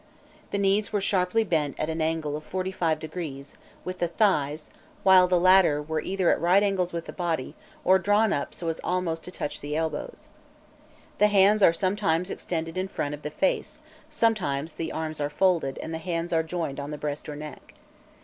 The knees were sharply bent at an angle of 45° with the thighs, while the latter were either at right angles with the body, or drawn up so as almost to touch the elbows. The hands are sometimes extended in front of the face, sometimes the arms are folded and the hands joined on the breast or neck.